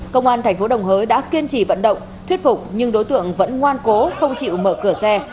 công an thành phố đồng hới đã kiên trì vận động thuyết phục nhưng đối tượng vẫn ngoan cố không chịu mở cửa xe